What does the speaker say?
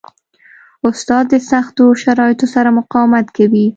استاد د سختو شرایطو سره مقاومت کوي.